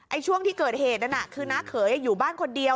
ช่วงที่เกิดเหตุนั้นน่ะคือน้าเขยอยู่บ้านคนเดียว